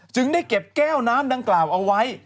ได้เก็บแก้วน้ำดังกล่าวเอาไว้